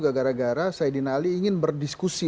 gara gara saidina ali ingin berdiskusi